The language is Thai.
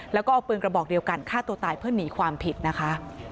แล้วก็เอาปืนกระบอกเดียวกันฆ่าตัวตายเพื่อหนีความผิดนะคะ